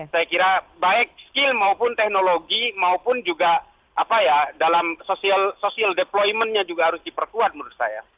saya kira baik skill maupun teknologi maupun juga dalam social deploymentnya juga harus diperkuat menurut saya